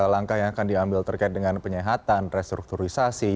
langkah yang akan diambil terkait dengan lcc